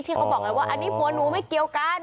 เขาบอกไงว่าอันนี้ผัวหนูไม่เกี่ยวกัน